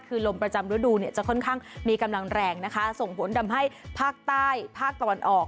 คือลมประจำฤดูเนี่ยจะค่อนข้างมีกำลังแรงนะคะส่งผลทำให้ภาคใต้ภาคตะวันออก